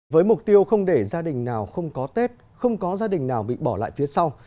với mục tiêu không để gia đình nào không có tết không có gia đình nào bị bỏ lại phía sau